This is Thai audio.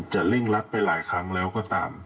เร่งรัดไปหลายครั้งแล้วก็ตาม